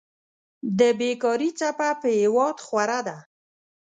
د بيکاري څپه په هېواد خوره ده.